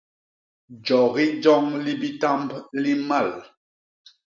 Jogi joñ li bitamb li mmal.